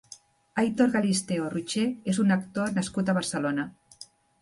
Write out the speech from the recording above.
Aitor Galisteo-Rocher és un actor nascut a Barcelona.